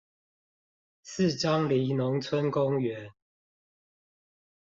四張犁農村公園